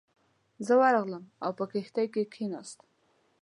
زه ورغلم او په کښتۍ کې کېناستم.